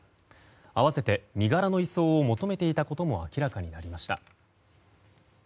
併せて身柄の移送を求めていたことも明らかになりました。